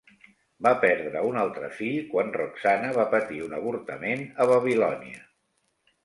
Va perdre un altre fill quan Roxana va patir un avortament a Babilònia.